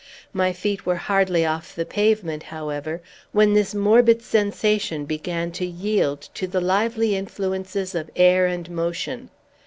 My feet were hardly off the pavement, however, when this morbid sensation began to yield to the lively influences of air and motion.